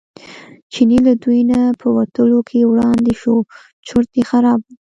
چینی له دوی نه په وتلو کې وړاندې شو چورت یې خراب و.